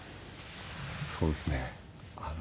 そうですね。